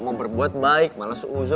mau berbuat baik malah seuzo